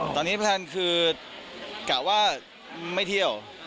ตอนนี้แผ่นแคร์คคือกะว่าไม่เที่ยว